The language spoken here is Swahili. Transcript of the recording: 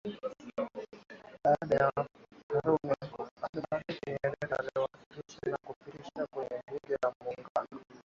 Baada ya Karume kufariki Nyerere aliwasilisha na kupitishwa kwenye Bunge la Muungano